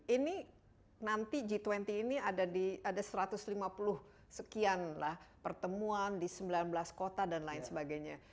ini nanti g dua puluh ini ada satu ratus lima puluh sekian lah pertemuan di sembilan belas kota dan lain sebagainya